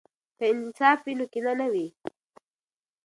که انصاف وي، نو کینه نه وي.